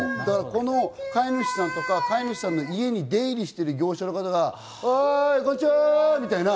この飼い主さんとか、飼い主さんの家に出入りしてる業者の方がおい、こんちは！みたいな。